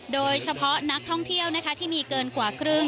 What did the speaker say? โดยเฉพาะนักท่องเที่ยวที่มีเกินกว่าครึ่ง